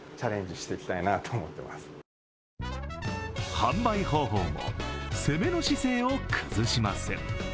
販売方法も、攻めの姿勢を崩しません。